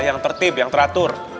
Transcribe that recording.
yang tertib yang teratur